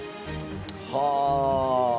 はあ！